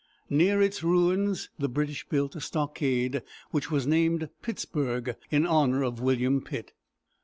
Near its ruins the British built a stockade which was named Pittsburg, in honor of William Pitt.